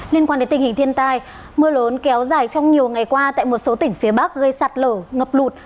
liên quan đến tình hình thiên tai mưa lớn kéo dài trong nhiều ngày qua tại một số tỉnh phía bắc gây sạt lở ngập lụt